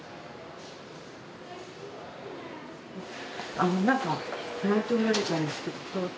あのなんか泣いておられたんですけど。